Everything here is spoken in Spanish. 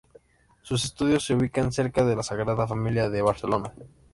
Sus estudios se ubican cerca de la Sagrada Familia de Barcelona.